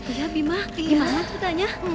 iya bima gimana tuh tanya